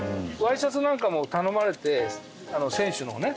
Ｙシャツなんかも頼まれて選手のね。